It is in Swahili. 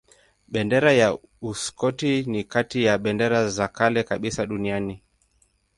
Bendera ya Uskoti ni kati ya bendera za kale kabisa duniani.